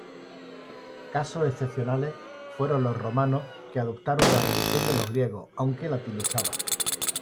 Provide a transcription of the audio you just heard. Casos excepcionales fueron los romanos que adoptaron la religión de los griegos, aunque latinizada.